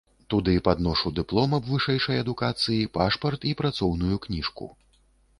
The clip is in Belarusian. Туды падношу дыплом аб вышэйшай адукацыі, пашпарт і працоўную кніжку.